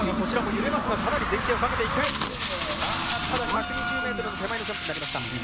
１２０ｍの手前のジャンプになりました。